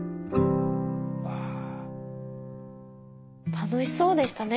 楽しそうでしたね。